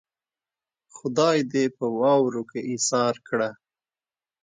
خدای دې په واورو کې ايسار کړه.